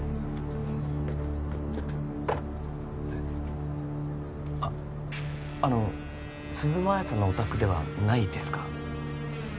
えっあっあの鈴間亜矢さんのお宅ではないですか？